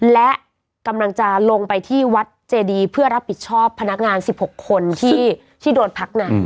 และกำลังจะลงไปที่วัดเจดีเพื่อรับผิดชอบพนักงาน๑๖คนที่โดนพักงาน